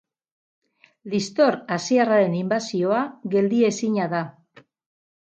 Liztor asiarraren inbasioa geldi ezina da.